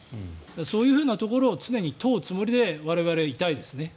そういうふうなところを常に問うつもりで我々はいたいですね。